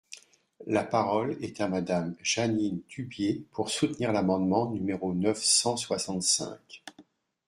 La parole est à Madame Jeanine Dubié, pour soutenir l’amendement numéro neuf cent soixante-cinq.